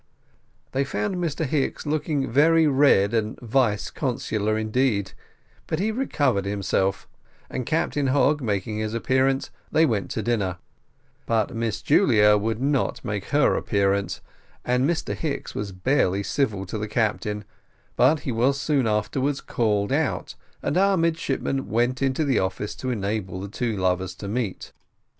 They found Mr Hicks looking very red and vice consular indeed, but he recovered himself; and Captain Hogg making his appearance, they went to dinner; but Miss Julia would not make her appearance, and Mr Hicks was barely civil to the captain, but he was soon afterwards called out, and our midshipmen went into the office to enable the two lovers to meet.